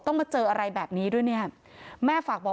ต้องมาเจออะไรแบบนี้ด้วยเนี่ย